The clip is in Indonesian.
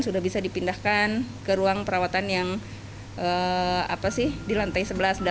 sudah bisa dipindahkan ke ruang perawatan yang di lantai sebelas